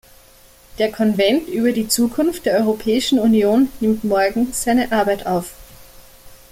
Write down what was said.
Der Konvent über die Zukunft der Europäischen Union nimmt morgen seine Arbeit auf.